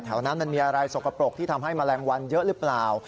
นั้นมันมีอะไรสกปรกที่ทำให้แมลงวันเยอะหรือเปล่า